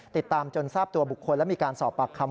ติดตามจนทราบตัวบุคคลและมีการสอบปากคำ